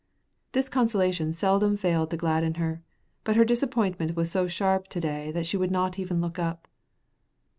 This consolation seldom failed to gladden her, but her disappointment was so sharp to day that she would not even look up.